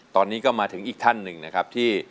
ตอนนี้ก็มาถึงอีกท่านหนึ่งนะครับที่